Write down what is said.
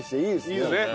いいですね。